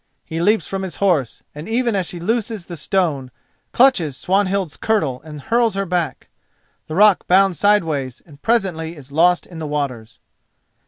He leaps from his horse, and even as she looses the stone, clutches Swanhild's kirtle and hurls her back. The rock bounds sideways and presently is lost in the waters.